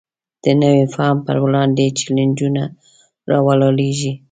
د نوي فهم پر وړاندې چلینجونه راولاړېږي.